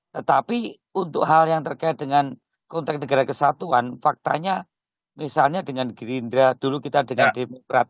tetapi untuk hal yang terkait dengan konteks negara kesatuan faktanya misalnya dengan gerindra dulu kita dengan demokrat